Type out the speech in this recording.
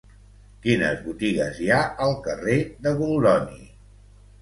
Quines botigues hi ha al carrer de Goldoni?